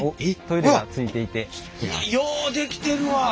ようできてるわ。